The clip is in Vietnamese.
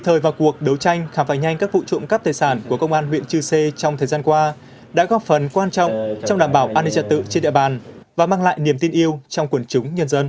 từ đầu năm đến nay công an huyện chư sê trong thời gian qua đã góp phần quan trọng trong đảm bảo an ninh trật tự trên địa bàn và mang lại niềm tin yêu trong quần chúng nhân dân